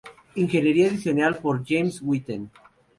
Ingeniería adicional por James Whitten.